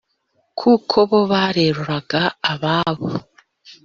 kuko bo bareruraga ababo